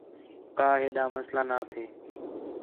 کا ہیڈا مسئلہ نا تھے